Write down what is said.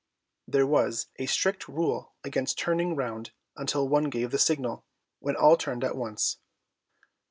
There was a strict rule against turning round until one gave the signal, when all turned at once.